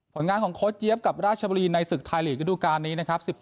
งานของโค้ดเจี๊ยบกับราชบุรีในศึกไทยลีกระดูกาลนี้นะครับ